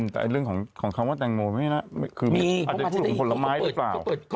แต่เรื่องของคำว่าแตงโมไม่นะคืออาจจะพูดถึงผลไม้หรือเปล่า